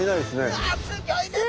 うわすギョいですね！